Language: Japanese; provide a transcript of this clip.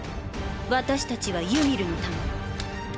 私たちはユミルの民。